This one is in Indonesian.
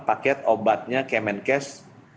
paket obatnya kemenkes